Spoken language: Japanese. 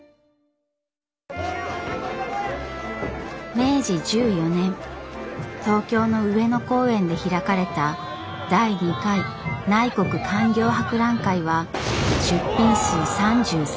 明治１４年東京の上野公園で開かれた第２回内国勧業博覧会は出品数３３万点。